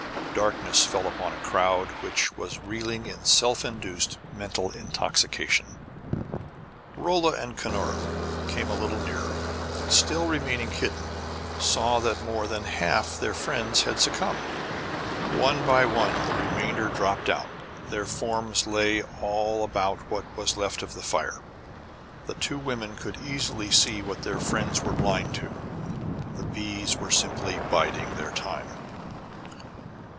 Darkness fell upon a crowd which was reeling in self induced mental intoxication. Rolla and Cunora came a little nearer; and still remaining hidden, saw that more than half their friends had succumbed. One by one the remainder dropped out; their forms lay all about what was left of the fire. The two women could easily see what their friends were blind to: the bees were simply biding their time.